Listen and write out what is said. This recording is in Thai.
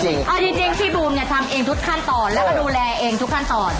เอาจริงพี่บูมเนี่ยทำเองทุกขั้นตอนแล้วก็ดูแลเองทุกขั้นตอน